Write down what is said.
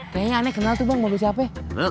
kayaknya aneh kenal tuh bang mobil siapa ya